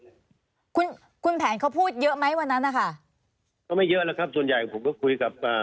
คุณคุณแผนเขาพูดเยอะไหมวันนั้นนะคะก็ไม่เยอะแล้วครับส่วนใหญ่ผมก็คุยกับอ่า